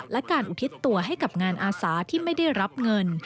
และการอุทิศตัวให้กับงานอาสาที่ไม่ได้รับเงิน